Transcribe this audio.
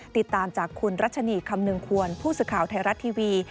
ติดตามจากคุณรัชนีคำนึงควรผู้สื่อข่าวไทยรัฐทีวี